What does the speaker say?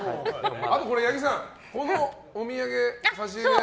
あと、八木さんこの差し入れ。